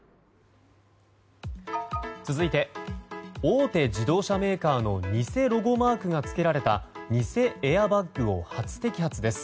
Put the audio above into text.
続いて大手自動車メーカーの偽ロゴマークがつけられた偽エアバッグを初摘発です。